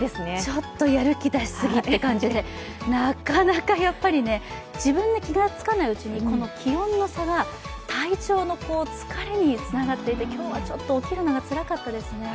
ちょっとやる気出しすぎって感じで、なかなかやっぱりね、自分で気がつかないうちに気温の差が体調の疲れにつながっていて今日はちょっと起きるのがつらかったですね。